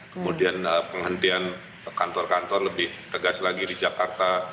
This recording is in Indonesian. kemudian penghentian kantor kantor lebih tegas lagi di jakarta